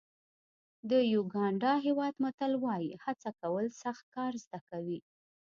د یوګانډا هېواد متل وایي هڅه کول سخت کار زده کوي.